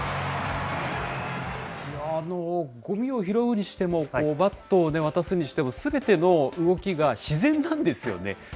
ごみを拾うにしても、バットを渡すにしても、すべての動きが自然なんですよね。